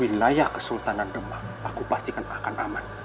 wilayah kesultanan demak aku pastikan bahkan aman